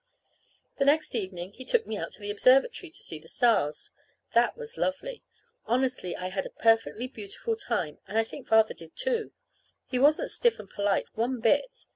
The next evening he took me out to the observatory to see the stars. That was lovely. Honestly I had a perfectly beautiful time, and I think Father did, too. He wasn't stiff and polite one bit.